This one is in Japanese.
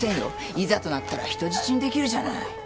いざとなったら人質にできるじゃない。